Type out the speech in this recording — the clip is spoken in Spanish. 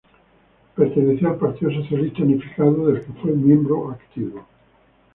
Perteneció al Partido Socialista Unificado, del que fue miembro activo.